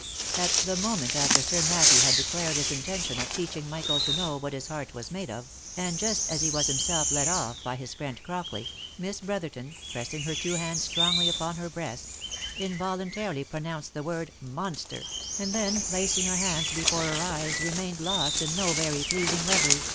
At the moment after Sir Matthew had declared his intention of teaching Michael to know what his heart was made of, and just as he was himself led off by his friend Crockley, Miss Brotherton, pressing her two hands strongly upon her breast, involuntarily pronounced the 112 THE LIFE AND ADVENTURES word " Monster !" and then placing her hands before her eyes re mained lost in no very pleasing revery.